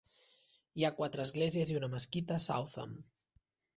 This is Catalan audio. Hi ha quatre esglésies i una mesquita a Southam